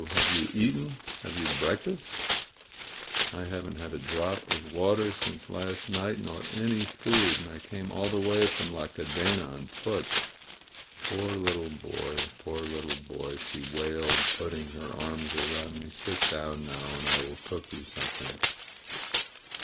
Have you ea»ten? Have you break fasted?" "I haven't had a drop of water since last night, nor any food. And I came all the way from La Cadena on foot." "Poor little boy ! Poor little boy !" she wailed, put 92 MEESTER'S FLIGHT ting her arms around me. ^^Sit down now, and I will cook you something."